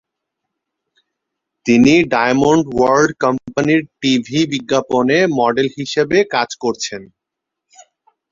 তিনি "diamond world" কোম্পানির TV বিজ্ঞাপনে মডেল হিসেবে কাজ করেছেন।